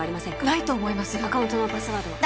ないと思いますアカウントのパスワードは？